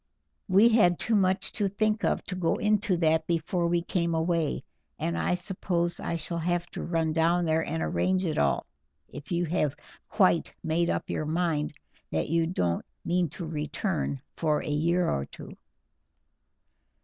We had too much to think of to go into that before we came away, and I suppose I shall have to run down and arrange it all, if you have quite made up your mind that you don't mean to return for a year or two."